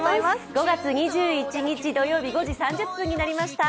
５月２１日土曜日、５時３０分になりました。